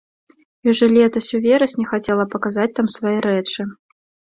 І ўжо летась ў верасні хацела паказаць там свае рэчы.